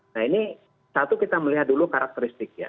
nah ini satu kita melihat dulu karakteristiknya